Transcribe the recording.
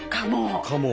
かも。